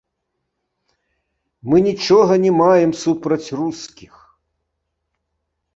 Мы нічога не маем супраць рускіх.